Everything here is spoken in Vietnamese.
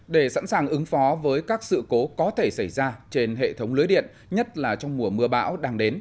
để sẵn sàng ứng phó với các sự cố có thể xảy ra trên hệ thống lưới điện nhất là trong mùa mưa bão đang đến